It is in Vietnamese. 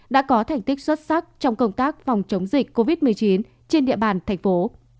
đã có thành tích xuất sắc trong công tác phòng chống dịch covid một mươi chín trên địa bàn thành phố